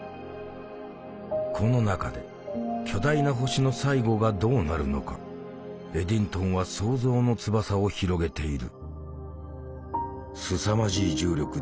この中で巨大な星の最後がどうなるのかエディントンは想像の翼を広げている。